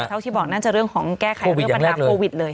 เท่าที่บอกน่าจะเรื่องของแก้ไขเรื่องปัญหาโควิดเลย